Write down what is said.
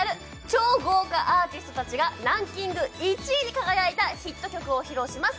超豪華アーティスト達がランキング１位に輝いたヒット曲を披露します